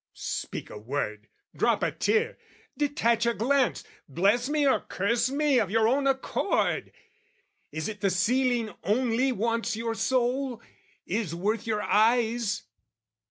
"Speak a word, drop a tear, detach a glance, "Bless me or curse me of your own accord! "Is it the ceiling only wants your soul, "Is worth your eyes?"